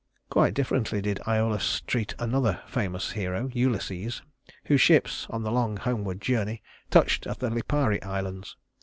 Quite differently did Æolus treat another famous hero, Ulysses, whose ships, on the long homeward journey, touched at the Lipari Islands.